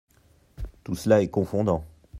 Tout cela est confondant.